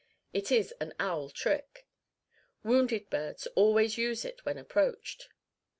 It is an owl trick. Wounded birds always use it when approached.